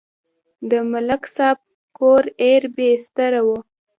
د ملک صاحب کور ایر بېستره و.